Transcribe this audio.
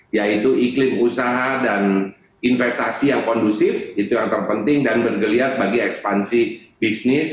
yaitu iklim usaha dan investasi yang kondusif itu yang terpenting dan bergeliat bagi ekspansi bisnis